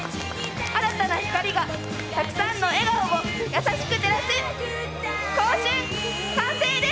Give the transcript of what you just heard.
新たな光がたくさんの笑顔を優しく照らす「頌春」完成です。